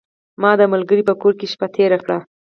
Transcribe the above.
ما د ملګري په کور کې شپه تیره کړه .